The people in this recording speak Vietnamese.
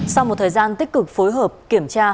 sau một thời gian tích cực phối hợp kiểm tra